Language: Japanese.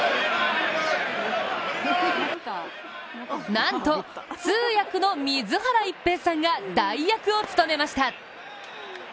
なんと、通訳の水原一平さんが代役を務めました。